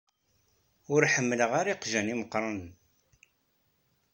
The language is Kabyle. Ur ḥemmleɣ ara iqjan imuqranen.